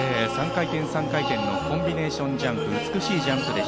３回転３回転のコンビネーションジャンプ。